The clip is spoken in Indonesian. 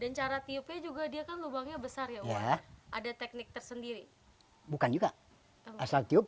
dan cara tiupnya juga dia kan lubangnya besar ya ada teknik tersendiri bukan juga asal tiup